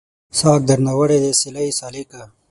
ساګ درنه وړی دی سیلۍ سالکه